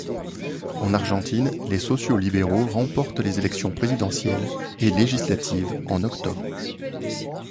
En Argentine, les sociaux-libéraux remportent les élections présidentielle et législatives en octobre.